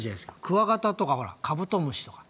クワガタとかほらカブトムシとか。